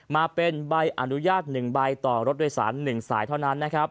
มาเป็นใบอนุญาตหนึ่งใบต่อรถโดยสารหนึ่งสายเท่านั้น